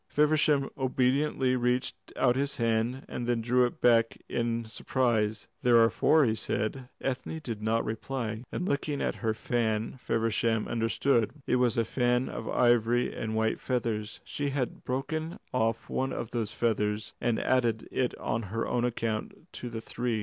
Feversham obediently reached out his hand, and then drew it back in surprise. "There are four," he said. Ethne did not reply, and looking at her fan Feversham understood. It was a fan of ivory and white feathers. She had broken off one of those feathers and added it on her own account to the three.